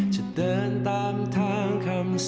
จะเดินตามทางเข้าไป